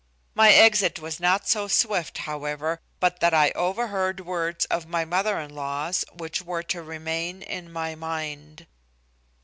My exit was not so swift, however, but that I overheard words of my mother in law's, which were to remain in my mind.